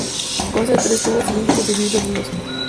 Consta de tres tubos cilíndricos de vidrio unidos.